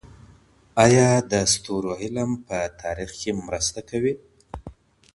آیا د ستورو علم په تاریخ کې مرسته کوي؟